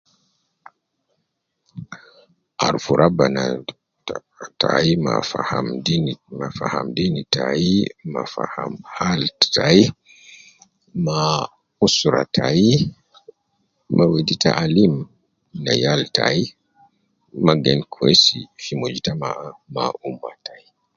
Aruf rabbana ta tayi ma faham deeni, ma faham deeni tayi ma faham hal tayi, ma usra tayi, ma wedi taalim ne yal tayi ma gen kwesi fi mujtama ma umma tayi.